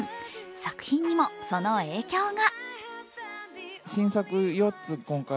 作品にもその影響が。